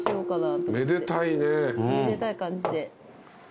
めでたい感じで。